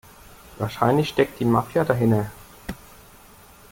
Wahrscheinlich steckt die Mafia dahinter.